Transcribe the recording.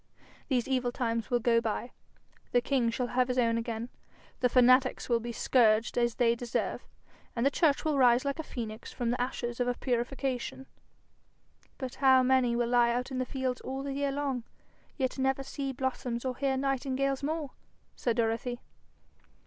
These evil times will go by, the king shall have his own again, the fanatics will be scourged as they deserve, and the church will rise like the phoenix from the ashes of her purification.' 'But how many will lie out in the fields all the year long, yet never see blossoms or hear nightingales more!' said Dorothy.